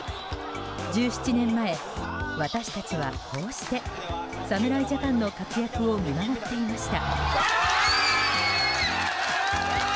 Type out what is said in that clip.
１７年前、私たちはこうして侍ジャパンの活躍を見守っていました。